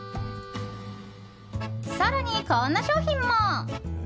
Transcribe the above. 更に、こんな商品も。